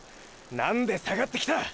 何で下がってきた！！